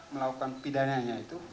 melakukan pidananya itu